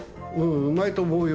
うまいと思うよ